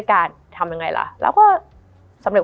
มันทำให้ชีวิตผู้มันไปไม่รอด